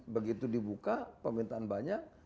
begitu dibuka pembentangan banyak